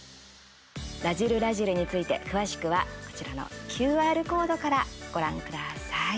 「らじる★らじる」について、詳しくはこちらのＱＲコードからご覧ください。